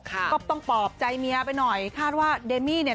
ก็ต้องปลอบใจเมียไปหน่อยคาดว่าเดมี่เนี่ย